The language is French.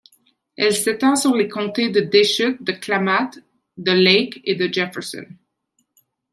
Elle s'étend sur les comtés de Deschutes, de Klamath, de Lake et de Jefferson.